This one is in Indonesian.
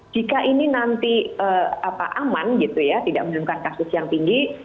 jika ini nanti aman gitu ya tidak menunjukkan kasus yang tinggi